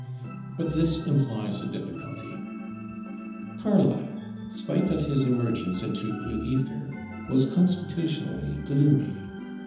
But this implies a difficulty. Carlyle, spite of his emergence into "blue ether," was constitutionally gloomy.